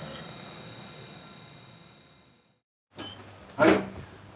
はい。